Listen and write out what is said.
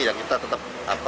yang kita tetap menghadapi